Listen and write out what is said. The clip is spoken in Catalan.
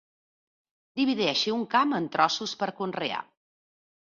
Divideixi un camp en trossos per conrear.